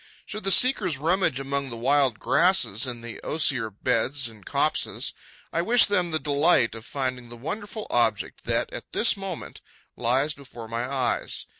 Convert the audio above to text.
Should the seekers rummage among the wild grasses in the osier beds and copses, I wish them the delight of finding the wonderful object that, at this moment, lies before my eyes.